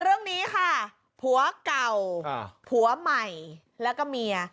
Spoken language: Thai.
เรื่องนี้ค่ะผัวเก่าผัวใหม่แล้วก็เมีย